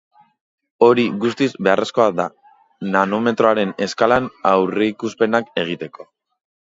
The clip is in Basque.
Hori, guztiz beharrezkoa da nanometroaren eskalan aurreikuspenak egiteko.